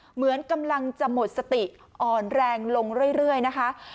เหมือนกำลังจะหมดสติอ่อนแรงลงเรื่อยนะคะ